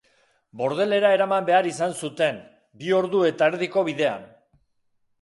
Bordelera eraman behar izan zuten, bi ordu eta erdiko bidean.